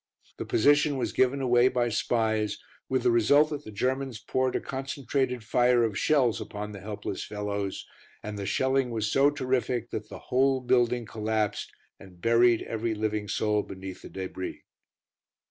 The position was given away by spies, with the result that the Germans poured a concentrated fire of shells upon the helpless fellows, and the shelling was so terrific that the whole building collapsed and buried every living soul beneath the débris.